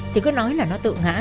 thì cứ nói là nó tự ngã